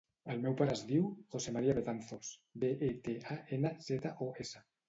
El meu pare es diu José maria Betanzos: be, e, te, a, ena, zeta, o, essa.